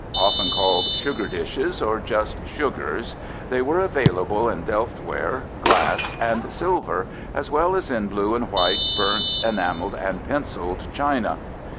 Often called "sugar dishes" or just "sugars," they were available in delftware, glass (fig. 18), and silver as well as in blue and white, burnt, enameled, and penciled china.